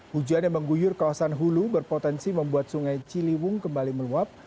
hujan yang mengguyur kawasan hulu berpotensi membuat sungai ciliwung kembali meluap